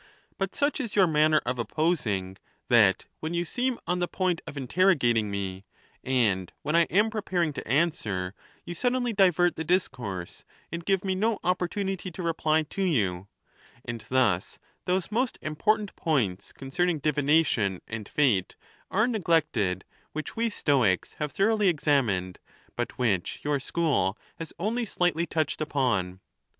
But such is your manner of opposing, that, when you seem on the point of interro gating me, and when I am preparing to answer, you sud denly divert the discourse, and give me no opportunity to reply to you ; and thus those most important points con cerning divination and fate are neglected which we Stoics THE NATURE OF THE GODS. 325 have thoroughly examined, but which your school has only slightly touched upon.